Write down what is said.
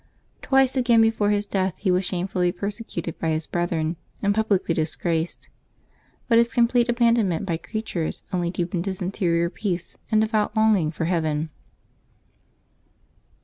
Twice again, before his death, he was shamefully persecuted by his brethren, and publicly disgraced. But his complete abandonment by creatures only deepened his interior peace and devout longing for heaven.